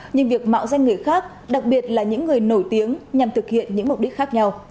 nhưng việc mạo danh người khác đặc biệt là những người nổi tiếng nhằm thực hiện những mục đích khác nhau